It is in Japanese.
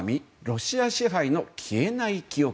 ロシア支配の消えない記憶。